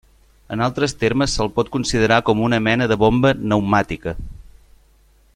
En altres termes se'l pot considerar com una mena de bomba pneumàtica.